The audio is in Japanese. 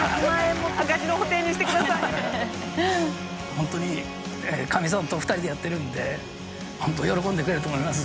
ほんとにかみさんと２人でやってるんでほんと喜んでくれると思います。